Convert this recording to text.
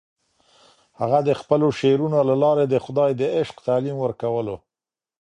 هغه د خپلو شعرونو له لارې د خدای د عشق تعلیم ورکولو.